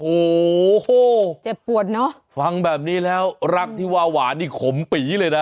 โอ้โหเจ็บปวดเนอะฟังแบบนี้แล้วรักที่วาหวานนี่ขมปีเลยนะ